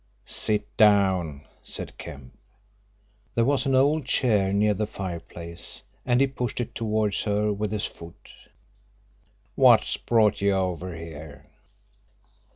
"Sit down," said Kemp. There was an old chair near the fireplace and he pushed it towards her with his foot. "What's brought you over here?"